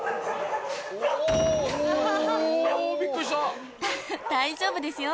おー、大丈夫ですよ。